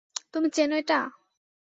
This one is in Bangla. তুমি চেনো এটা?